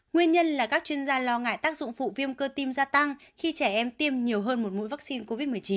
nguyên nhân là các chuyên gia lo ngại tác dụng phụ viêm cơ tim gia tăng khi trẻ em tiêm nhiều hơn một mũi vaccine covid một mươi chín